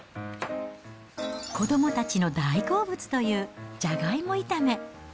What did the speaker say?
子どもたちの大好物というじゃがいも炒め。